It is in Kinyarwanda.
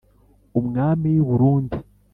Umwami w'i Burundi :